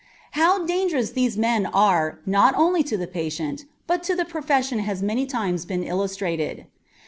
How dangerous these men are not only to the patient, but to the profession has many times been illustrated.